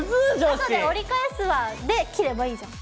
「後で折り返すわ」で切ればいいじゃん。